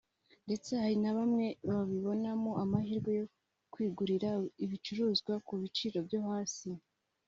ndetse hari na bamwe babibonamo amahirwe yo kwigurira ibicuruzwa ku biciro byo hasi